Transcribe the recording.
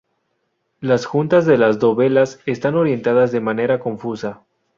Las juntas de las dovelas están orientadas de manera confusa.